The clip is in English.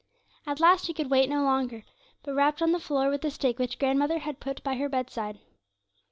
At last she could wait no longer, but rapped on the floor with the stick which grandmother had put by her bedside.